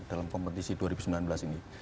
dalam kompetisi dua ribu sembilan belas ini